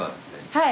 はい。